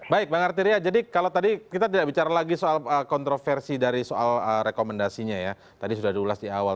baik bang artiria jadi kalau tadi kita tidak bicara lagi soal kontroversi dari soal rekomendasinya ya tadi sudah diulas di awal